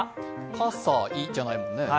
カサイじゃないもんね？